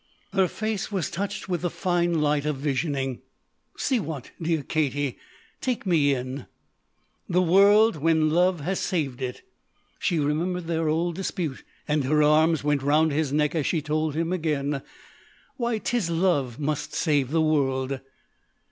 Her face was touched with the fine light of visioning. "See what dear Katie? Take me in." "The world when love has saved it!" She remembered their old dispute and her arms went about his neck as she told him again: "Why 'tis love must save the world!"